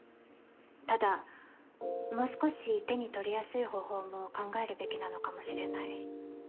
ただもう少し手に取りやすい方法も考えるべきなのかもしれない